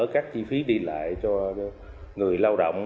các chi phí đi lại cho người lao động